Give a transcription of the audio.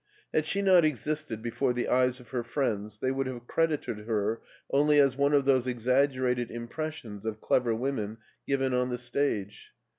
Had she not existed before the eyes of her friends they would have credited her only as one of those ex aggerated impressions of clever women given on the stage.